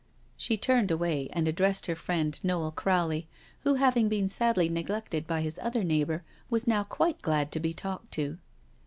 She turned away and addressed her friend Noel Crowley, who having been sadly neglected by his other neighbour was now quite glad to be talked to.